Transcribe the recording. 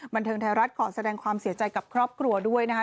บันเทิงไทยรัฐขอแสดงความเสียใจกับครอบครัวด้วยนะคะ